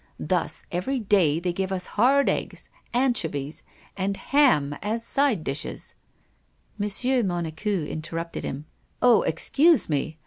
Thus, every day, they give us hard eggs, anchovies, and ham as side dishes " M. Monecu interrupted him: "Oh! excuse me!